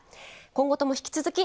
今後とも引き続き。